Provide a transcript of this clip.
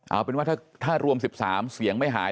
เอาเป็นว่าถ้ารวม๑๓เสียงไม่หาย